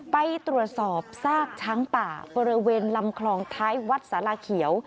ไปตรวจสอบซากช้างป่าบริเวณลำคลองท้ายวัดสาราเขียว